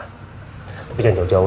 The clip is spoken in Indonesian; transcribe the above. tapi jangan jauh jauh